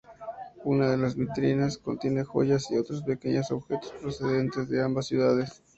Una de las vitrinas contiene joyas y otros pequeños objetos procedentes de ambas ciudades.